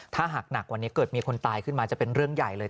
ถ้าหากหนักกว่านี้เกิดมีคนตายขึ้นมาจะเป็นเรื่องใหญ่เลย